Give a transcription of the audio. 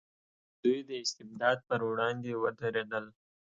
دوی د استبداد پر وړاندې ودرېدل.